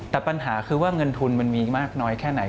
แต่ปัญหาคือว่าเงินทุนมันมีมากน้อยแค่ไหน